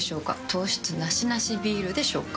糖質ナシナシビールでしょうか？